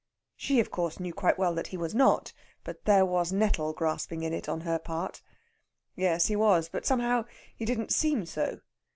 She, of course, knew quite well that he was not, but there was nettle grasping in it on her part. "Yes, he was. But somehow he didn't seem so.